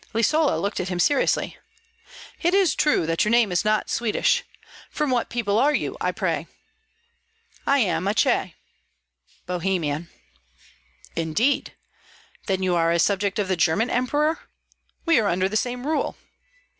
Lisola looked at him seriously. "It is true that your name is not Swedish. From what people are you, I pray?" "I am a Cheh" (Bohemian). "Indeed? Then you are a subject of the German emperor? We are under the same rule."